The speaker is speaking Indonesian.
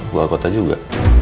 buah kota juga